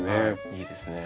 いいですね。